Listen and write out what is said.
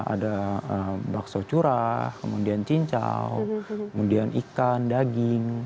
ada bakso curah kemudian cincau kemudian ikan daging